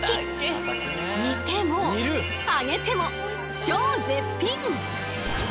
煮ても揚げても超絶品！